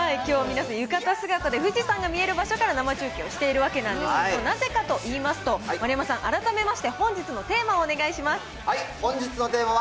きょう、皆さん、浴衣姿で富士山が見える場所から生中継をしているわけなんですけれども、なぜかといいますと、丸山さん、改めまして本日のテーマをお願いします。